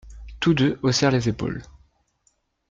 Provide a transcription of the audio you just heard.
Tous deux haussèrent les épaules.